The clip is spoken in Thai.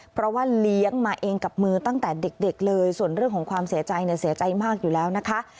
เพราะว่าเลี้ยงมาเองกับมือตั้งแต่เด็กเลยส่วนเรื่องของความเสียใจเนี่ยเสียใจเสียใจมากอยู่แล้วนะคะ